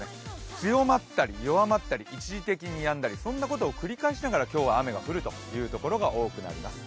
強まったり弱まったり一時的にやんだりそんなことを繰り返しながら今日は雨が降るところが多くなります。